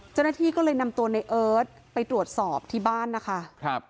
เจ้าหน้าที่ก็เลยนำตัวในเอิร์ทไปตรวจสอบที่บ้านนะคะ